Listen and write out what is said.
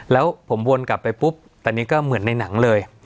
แล้วผมวนกลับไปปุ๊บตอนนี้ก็เหมือนในหนังเลย